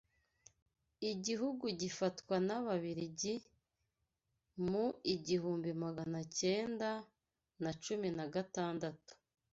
igihugu gifatwa n’Ababiligi mu igihumbi maganacyenda na cumi nagatandatu